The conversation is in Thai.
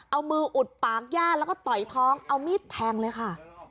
เอามืออุดปากย่าแล้วก็ต่อยท้องเอามีดแทงเลยค่ะ